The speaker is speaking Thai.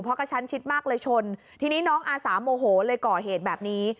เพราะกระชั้นชิดมากเลยชนทีนี้น้องอาสาโมโหเลยก่อเหตุแบบนี้